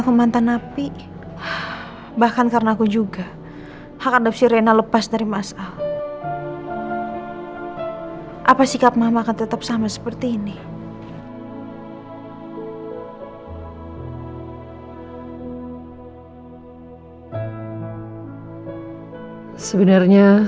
sampai jumpa di video selanjutnya